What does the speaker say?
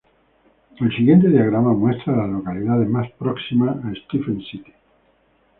El siguiente diagrama muestra a las localidades más próximas a Stephens City.